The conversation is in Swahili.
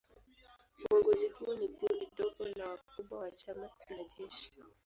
Uongozi huo ni kundi dogo la wakubwa wa chama na jeshi.